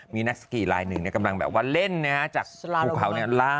มีนักสกีลายหนึ่งกำลังแบบว่าเล่นจากภูเขาล่า